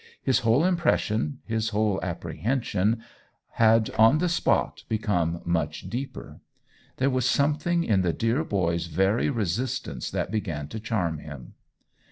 His whole impression, his whole apprehension, had on the spot become much deeper. There was something in the dear boy's very resist ance that began to charm him.